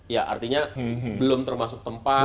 ya artinya belum termasuk tempat